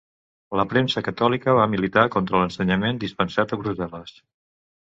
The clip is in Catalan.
La premsa catòlica va militar contra l'ensenyament dispensat a Brussel·les.